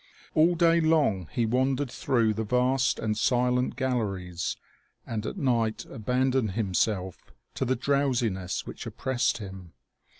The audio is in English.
All day long he wandered through the vast and silent gal leries, and at night abandoned himself to the drowsi ness which oppressed him.